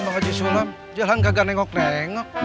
emang haji sulam jalan gak nengok nengok